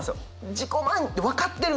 自己満って分かってるんよ。